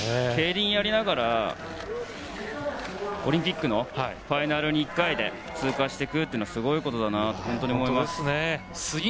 競輪やりながらオリンピックのファイナルに１回で通過していくというのはすごいことだなと本当に思います。